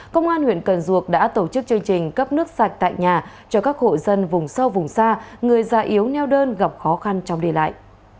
công an huyện cần duộc đã tổ chức chương trình cấp nước sạch tại nhà cho các hộ dân vùng sâu vùng xa người già yếu neo đơn gặp khó khăn trong đi lại